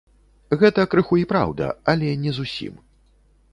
Гэта крыху й праўда, але не зусім.